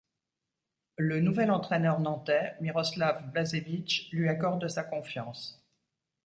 Le nouvel entraîneur nantais Miroslav Blažević lui accorde sa confiance.